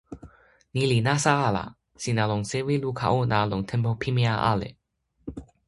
ni li nasa ala. sina lon sewi luka ona lon tenpo pimeja ale.